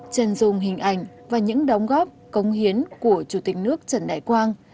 trần dùng hình ảnh và những đóng góp công hiến của chủ tịch nước trần đại quang